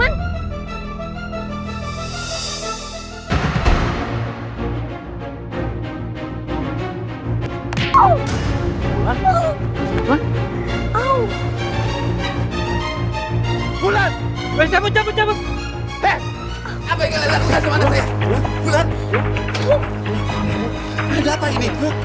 ini siapa ini